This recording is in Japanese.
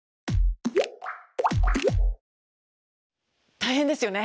大変ですよね。